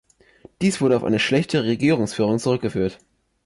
Dies wurde auf eine schlechte Regierungsführung zurückgeführt.